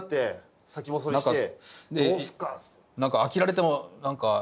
どうすっかっつって。